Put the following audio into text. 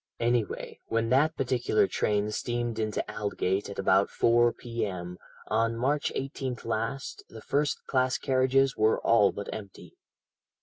Anyway, when that particular train steamed into Aldgate at about 4 p.m. on March 18th last, the first class carriages were all but empty.